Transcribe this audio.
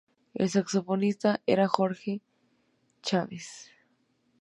El saxofonista era Jorge Chávez.